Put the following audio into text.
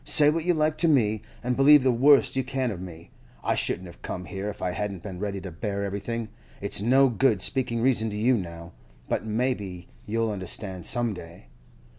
'Say what you like to me, and believe the worst you can of me; I shouldn't have come here if I hadn't been ready to bear everything. It's no good speaking reason to you now, but maybe you'll understand some day.